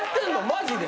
マジで？